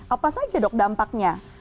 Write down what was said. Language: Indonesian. apa saja dok dampaknya